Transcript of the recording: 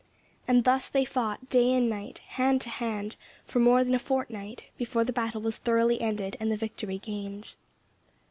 And thus they fought, day and night, hand to hand, for more than a fortnight, before the battle was thoroughly ended and the victory gained.